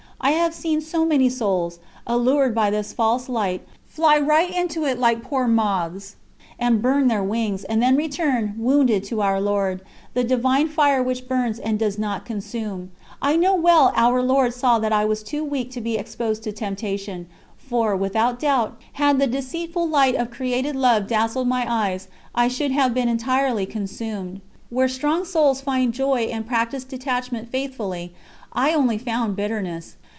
I have seen so many souls, allured by this false light, fly right into it like poor moths, and burn their wings, and then return, wounded, to Our Lord, the Divine fire which burns and does not consume. I know well Our Lord saw that I was too weak to be exposed to temptation, for, without doubt, had the deceitful light of created love dazzled my eyes, I should have been entirely consumed. Where strong souls find joy and practise detachment faithfully, I only found bitterness.